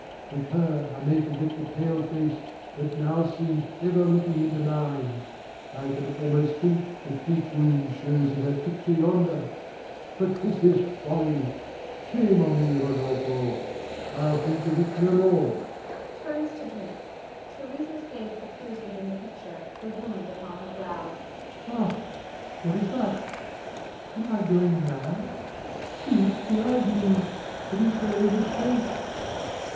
With her I may forget the pale face that now seems ever looking into mine. I can almost think the deep wound shows in her picture yonder. But this is folly! Shame on thee, Rodolpho. I'll think of it no more. [Turns to drink. Theresa's face appears within the picture, the wound upon her brow.] Ha! what is that? Am I going mad? See the eyes move, it is Theresa's face!